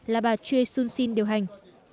là bà choi soon sin điều hành